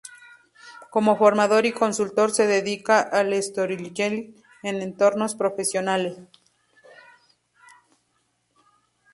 Cómo formador y consultor se dedica al "storytelling" en entornos profesionales.